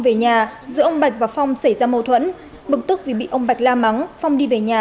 về nhà giữa ông bạch và phong xảy ra mâu thuẫn bực tức vì bị ông bạch la mắng phong đi về nhà